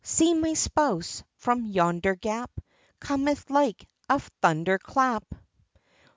"See! my spouse, from yonder gap, Cometh like a thunder clap!"